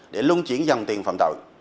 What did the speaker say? để lung chuyển dòng tiền phạm tội